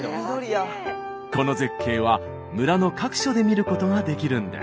この絶景は村の各所で見ることができるんです。